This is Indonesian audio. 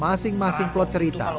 masing masing plot cerita